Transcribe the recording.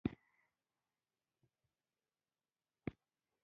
خو استاد له هغه څخه دوه سوه افغانۍ زیاتې اخیستې